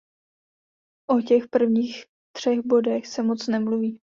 O těch prvních třech bodech se moc nemluví.